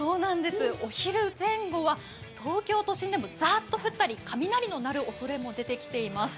お昼前後は東京都心でもザッと降ったり雷の鳴るおそれも出てきています。